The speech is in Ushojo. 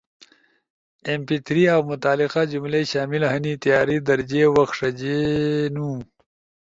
ایم پی تھری اؤ متعلقہ جملئی شامل ہنی، تیاری در جے وخ ݜجینو